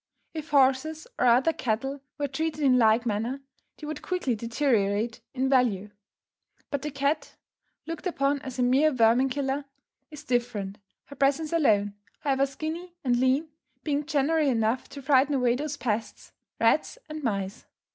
If horses or other cattle were treated in like manner, they would quickly deteriorate in value; but the cat, looked upon as a mere vermin killer, is different, her presence alone, however skinny and lean, being generally enough to frighten away those pests, rats and mice.